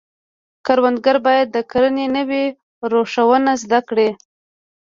کروندګر باید د کرنې نوي روشونه زده کړي.